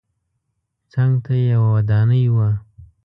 څنګ ته یې یوه ودانۍ وه.